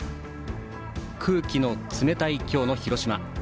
空気の冷たい今日の広島。